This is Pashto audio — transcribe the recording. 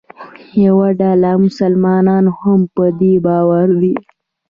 یوه ډله مسلمانان هم په دې باور دي.